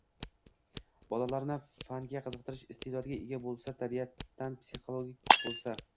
bolalarni fanga qiziqtirish iste’dodiga ega bo‘lsa, tabiatan psixolog bo‘lsa